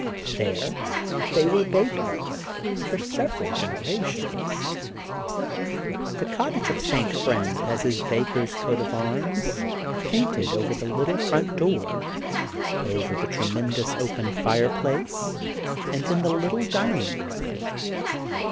There they were bakers for several generations. The cottage of St. Friend has his baker's coat of arms painted over the little front door, over the tremendous open fireplace, and in the little dining room.